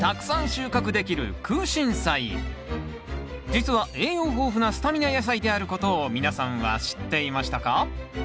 実は栄養豊富なスタミナ野菜であることを皆さんは知っていましたか？